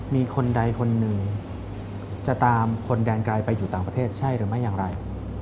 มีคนใดคนหนึ่งจะตามคนแดนไกลไปอยู่ต่างประเทศใช่หรือไม่อย่างไร